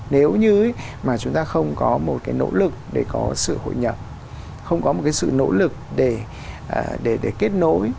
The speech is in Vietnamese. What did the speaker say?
nếu như mà chúng ta không có một cái nỗ lực để có sự hội nhập không có một cái sự nỗ lực để kết nối